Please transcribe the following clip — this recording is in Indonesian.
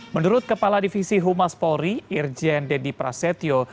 menurut kepala divisi humas polri irjen deddy prasetyo